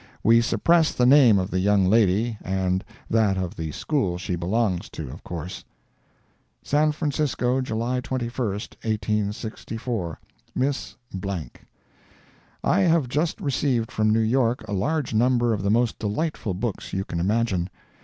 We suppress the name of the young lady and that of the school she belongs to, of course: San Francisco July 21st, 1864. MISS ______:—I have just received from New York a large number of the most delightful books you can imagine.